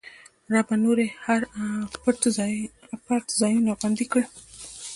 ربه! نور یې هر اپت ځنې خوندي کړې